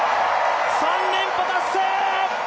３連覇達成！